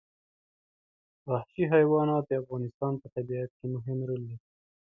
وحشي حیوانات د افغانستان په طبیعت کې مهم رول لري.